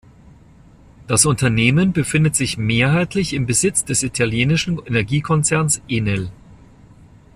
Das Unternehmen befindet sich mehrheitlich im Besitz des italienischen Energiekonzerns Enel.